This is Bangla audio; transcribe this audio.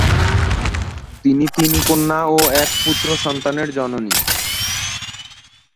তিনি তিন কন্যা ও এক পুত্র সন্তানের জননী।